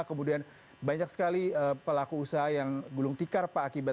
kemudian banyak sekali pelaku usaha yang gulung tikar pak akibat adanya covid sembilan belas ini pak